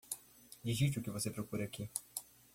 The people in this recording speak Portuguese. Digite o que você procura aqui.